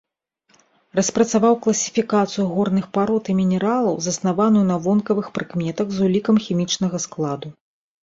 Распрацаваў класіфікацыю горных парод і мінералаў, заснаваную на вонкавых прыкметах з улікам хімічнага складу.